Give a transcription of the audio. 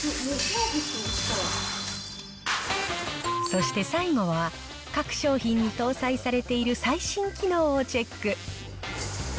そして最後は、各商品に搭載されている最新機能をチェック。